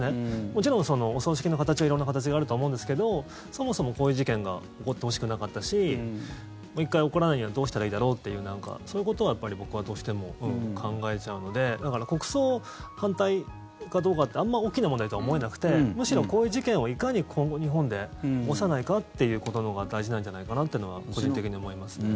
もちろんお葬式の形は色んな形があるとは思うんですけどそもそもこういう事件が起こってほしくなかったしもう１回起こらないにはどうしたらいいだろうっていうそういうことを僕はどうしても考えちゃうのでだから、国葬反対かどうかってあまり大きな問題とは思えなくてむしろ、こういう事件をいかに今後、日本で起こさないかっていうことのほうが大事なんじゃないかなってのは個人的に思いますね。